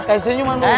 kasih nyuman mau